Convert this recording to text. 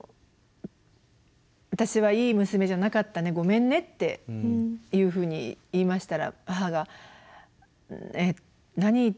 「私はいい娘じゃなかったねごめんね」っていうふうに言いましたら母が「えっ何言ってんの？